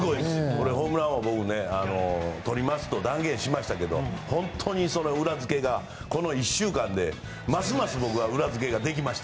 ホームラン王は僕とりますと断言したんですけど本当に裏付けが、この１週間で僕は、ますます、できました。